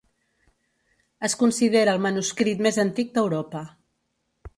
Es considera el manuscrit més antic d'Europa.